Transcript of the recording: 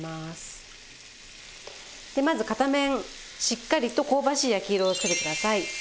でまず片面しっかりと香ばしい焼き色をつけてください。